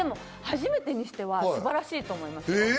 初めてにしては素晴らしいと思いますよ。